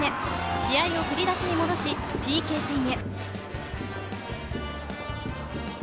試合を振り出しに戻し、ＰＫ戦へ。